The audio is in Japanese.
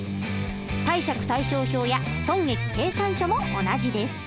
貸借対照表や損益計算書も同じです。